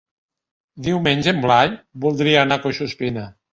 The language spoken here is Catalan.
Diumenge en Blai voldria anar a Collsuspina.